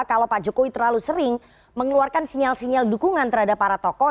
kalau pak jokowi terlalu sering mengeluarkan sinyal sinyal dukungan terhadap para tokoh